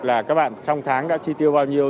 là các bạn trong tháng đã chi tiêu bao nhiêu